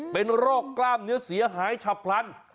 เป็นโรคกล้ามเนื้อเสียหายฉับพลัน